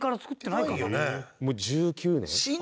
もう１９年。